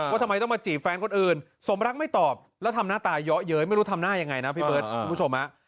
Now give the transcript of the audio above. ทำไมต้องมาจีบแฟนคนอื่นสมรักไม่ตอบแล้วทำหน้าตาเยอะเย้ยไม่รู้ทำหน้ายังไงนะพี่เบิร์ดคุณผู้ชมฮะ